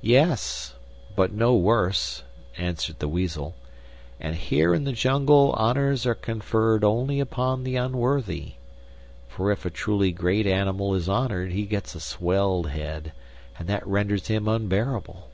"Yes; but no worse," answered the Weasel; "and here in the jungle honors are conferred only upon the unworthy. For if a truly great animal is honored he gets a swelled head, and that renders him unbearable.